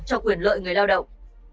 cho quyền lợi người lao động